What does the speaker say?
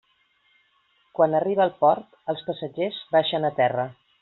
Quan arriba al port, els passatgers baixen a terra.